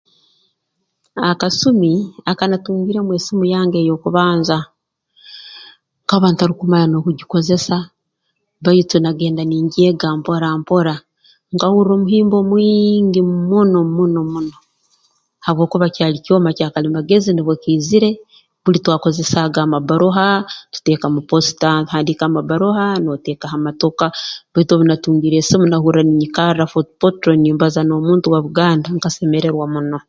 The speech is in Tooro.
Akasumi akanatungiremu esimu yange ey'okubanza nkaba ntarukumanya n'okugikozesa baitu nagenda ningyega mpora mpora nkahurra omuhimbo mwingi muno muno muno habwokuba kyali kyoma kya kalimagezi nubwo kiizire buli twakozesaaga amabbaroha tuteeka mu posta ohandiika amabbaroha nooteeka ha motoka baitu obu natungire esimu nahurra ninyikarra Fort Potro nimbaza n'omuntu wa Buganda nkasemerwa muno